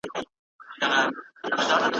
سندرې د مغزو لپاره هم ګټورې دي.